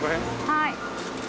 はい。